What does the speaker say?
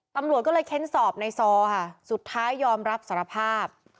ตำรวจก็เลยเค้นสอบในซอค่ะสุดท้ายยอมรับสารภาพ